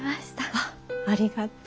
あっありがとう。